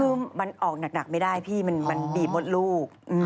คือมันออกหนักไม่ได้พี่มันบีบมดลูก